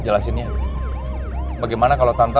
jelasinnya bagaimana kalau tante